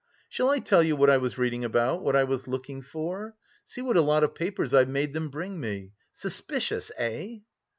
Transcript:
"Shall I tell you what I was reading about, what I was looking for? See what a lot of papers I've made them bring me. Suspicious, eh?"